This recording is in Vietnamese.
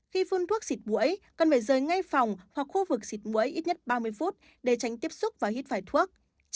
khi phun thuốc xịt mũi cần phải rời ngay phòng hoặc khu vực xịt mũi ít nhất ba mươi phút để tránh tiếp xúc và hít phải thuốc